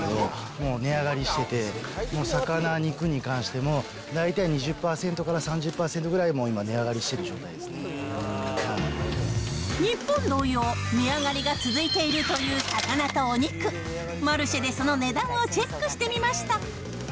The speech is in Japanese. もう、値上がりしてて、魚、肉に関しても大体２０％から３０％ぐらい、もう今値上がりしてい日本同様、値上がりが続いているという魚とお肉、マルシェでその値段をチェックしてみました。